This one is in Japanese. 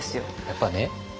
やっぱね